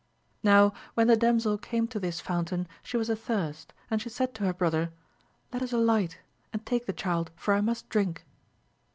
Now when the damsel came to this fountain she was athirst, and she said to her bro ther. Let us alight, and take the child, for I must drink.